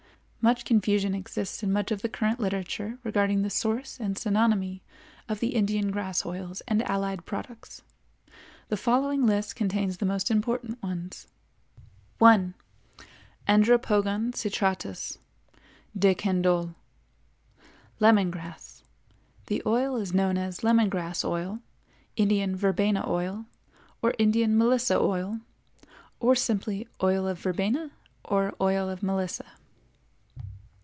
Much confusion exists in much of the current literature regarding the source and synonymy of the Indian grass oils and allied products. The following list contains the most important ones: 1. Andropogon citratus DC.—Lemon Grass. The oil is known as Lemon Grass Oil, Indian Verbena Oil or Indian Melissa Oil, or simply Oil of Verbena or Oil of Melissa.